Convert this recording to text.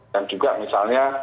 dan juga misalnya